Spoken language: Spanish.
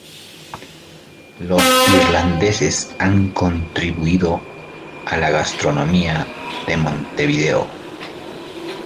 Los irlandeses han contribuido a la gastronomía de Montevideo.